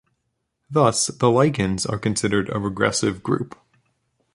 Thus the lichens are considered a regressive group.